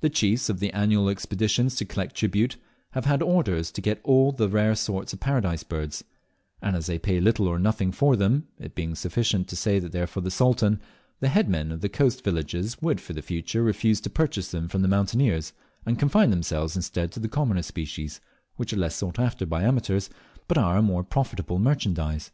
The chiefs of the annual expeditions to collect tribute have had orders to get all the rare sorts of Paradise Birds; and as they pay little or nothing for them (it being sufficient to say they are for the Sultan), the head men of the coast villages would for the future refuse to purchase them from the mountaineers, and confine themselves instead to the commoner species, which are less sought after by amateurs, but are a more profitable merchandise.